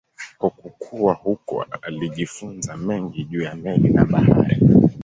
Kwa kukua huko alijifunza mengi juu ya meli na bahari.